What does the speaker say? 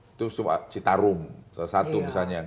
itu citarum salah satu misalnya